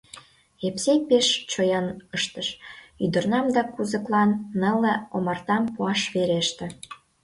Епсей пеш чоян ыштыш: ӱдырнам да кузыклан нылле омартам пуаш вереште.